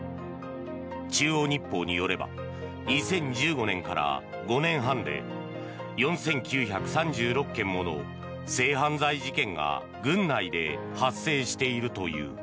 中央日報によれば２０１５年から５年半で４９３６件もの性犯罪事件が軍内で発生しているという。